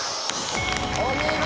お見事！